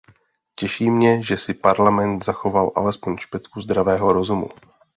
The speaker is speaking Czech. Těší mě, že si Parlament zachoval alespoň špetku zdravého rozumu.